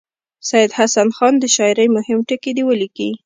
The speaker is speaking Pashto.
سید حسن خان د شاعرۍ مهم ټکي دې ولیکي.